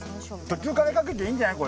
途中からかけていいんじゃない？